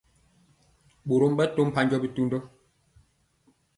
Ɓorom ɓɛ to mpanjɔ bitundɔ.